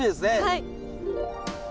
はい。